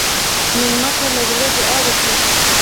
مېلمه ته له زړه دعا وکړئ.